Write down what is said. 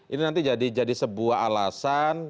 ini nanti jadi sebuah alasan